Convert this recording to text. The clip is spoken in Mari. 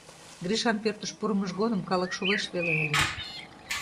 Гришан пӧртыш пурымыж годым калык шолеш веле ыле.